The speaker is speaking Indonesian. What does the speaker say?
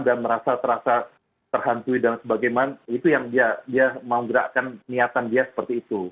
dan merasa terhantui dan sebagainya itu yang dia mau gerakkan niatan dia seperti itu